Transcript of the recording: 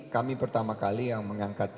kami pertama kali yang mengangkat